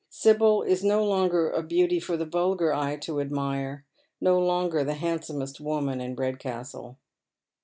Sibyl is no longer a beauty for the vulgar eye to admire, no longer the handsomest woman in Redcastle.